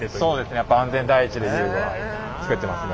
やっぱ安全第一で遊具は作ってますね。